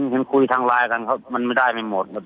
เห็นคุยทางไลน์กันครับมันไม่ได้ไม่หมด